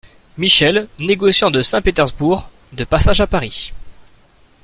Michel, négociant de Saint-Pétersbourg, de passage à Paris.